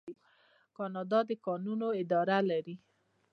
کاناډا د کانونو اداره لري.